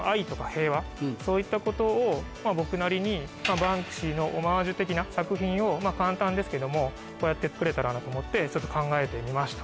そういったことを僕なりにバンクシーのオマージュ的な作品を簡単ですけどもこうやって作れたらなと思ってちょっと考えてみました。